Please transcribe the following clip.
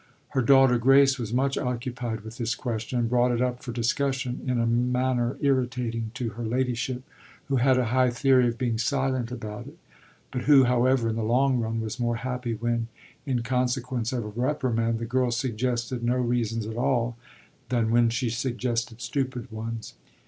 Her daughter Grace was much occupied with this question, and brought it up for discussion in a manner irritating to her ladyship, who had a high theory of being silent about it, but who, however, in the long run, was more unhappy when, in consequence of a reprimand, the girl suggested no reasons at all than when she suggested stupid ones.